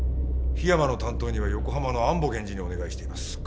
檜山の担当には横浜の安保検事にお願いしています。